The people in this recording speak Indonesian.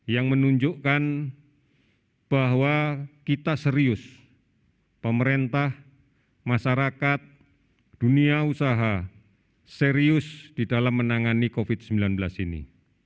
yang menunjukkan bahwa kita serius pemerintah masyarakat dunia usaha serius di dalam menangani covid sembilan belas ini